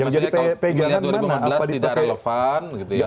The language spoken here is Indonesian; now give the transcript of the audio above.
jadi maksudnya kalau kemudian dua ribu delapan belas tidak relevan gitu ya